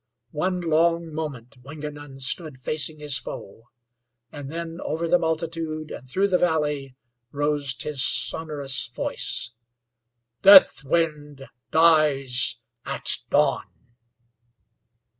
One long moment Wingenund stood facing his foe, and then over the multitude and through the valley rolled his sonorous voice: "Deathwind dies at dawn!"